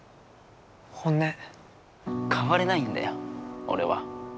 変われないんだよ俺は。